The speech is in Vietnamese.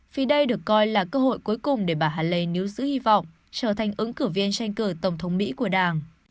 vì đây được coi là cơ hội cuối cùng để bà hàle níu giữ hy vọng trở thành ứng cử viên tranh cử tổng thống mỹ của đảng